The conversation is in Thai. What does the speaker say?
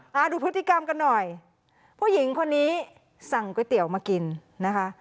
ดูพฤติกรรมกันหน่อยผู้หญิงคนนี้สั่งก๋วยเตี๋ยวมากินนะคะ